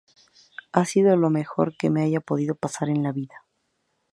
Ha sido lo mejor que me haya podido pasar en la vida.